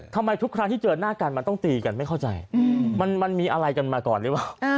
ทุกครั้งที่เจอหน้ากันมันต้องตีกันไม่เข้าใจมันมีอะไรกันมาก่อนหรือเปล่า